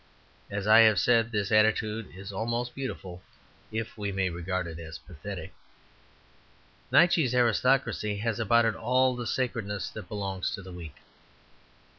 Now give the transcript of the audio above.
As I have said, this attitude is almost beautiful if we may regard it as pathetic. Nietzsche's aristocracy has about it all the sacredness that belongs to the weak.